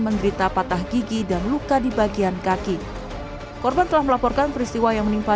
menderita patah gigi dan luka di bagian kaki korban telah melaporkan peristiwa yang menimpa